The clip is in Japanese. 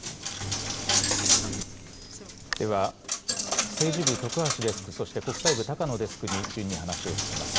では、政治部、徳橋デスク、そして国際部、たかのデスクに順に話を聞きます。